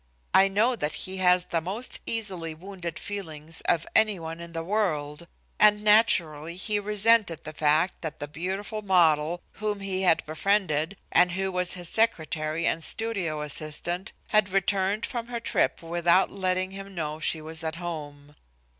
I know that he has the most easily wounded feelings of any one in the world, and naturally he resented the fact that the beautiful model, whom he had befriended and who was his secretary and studio assistant, had returned from her trip without letting him know she was at home.